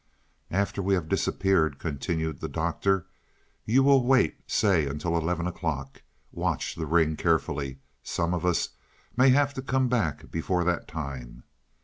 "After we have disappeared," continued the Doctor, "you will wait, say, until eleven o'clock. Watch the ring carefully some of us may have to come back before that time.